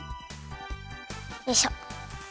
よいしょ。